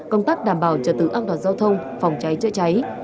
công tác đảm bảo trả tự an toàn giao thông phòng cháy trợ cháy